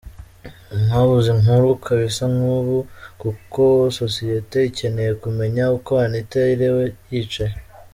mwabuze inkuru kabisa nkubu koko societe ikeneye kumenya uko Anitha yiriwe yicaye .